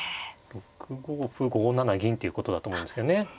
６五歩５七銀っていうことだと思うんですけどね。